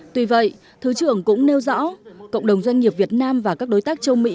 tuy vậy thứ trưởng cũng nêu rõ cộng đồng doanh nghiệp việt nam và các đối tác châu mỹ